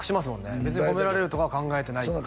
「別に褒められるとかは考えてない」